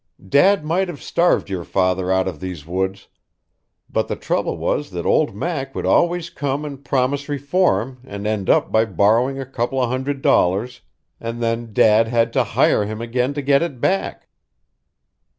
Dad might have starved your father out of these woods, but the trouble was that old Mac would always come and promise reform and end up by borrowing a couple of hundred dollars, and then Dad had to hire him again to get it back!